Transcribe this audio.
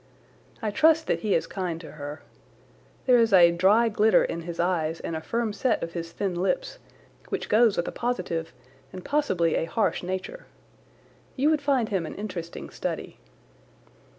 I trust that he is kind to her. There is a dry glitter in his eyes and a firm set of his thin lips, which goes with a positive and possibly a harsh nature. You would find him an interesting study.